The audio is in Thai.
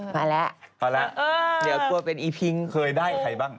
มาแล้วมาแล้วเดี๋ยวกลัวเป็นอีพิงเคยได้ใครบ้าง